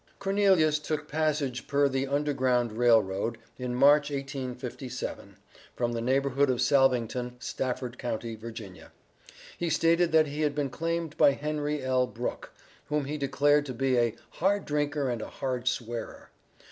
Cornelius took passage per the Underground Rail Road, in March, 1857, from the neighborhood of Salvington, Stafford county, Va. He stated that he had been claimed by Henry L. Brooke, whom he declared to be a "hard drinker and a hard swearer."